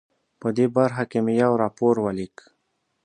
په دې برخه کې مې یو راپور ولیک.